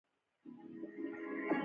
بېنډۍ د کورني ډوډۍ بېلګه ده